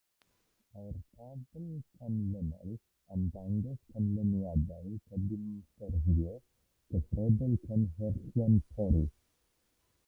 Mae'r tabl canlynol yn dangos canlyniadau cydymffurfio cyfredol cynhyrchion pori.